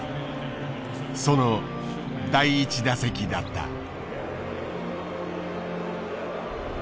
その第１打席だった。